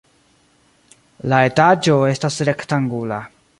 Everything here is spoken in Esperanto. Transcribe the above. La etaĝo estas rektangula.